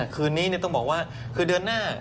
คืนนี้ต้องบอกว่าคือเดือนหน้า